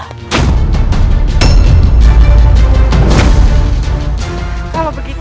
aku mau pergi ke tempat yang lebih tua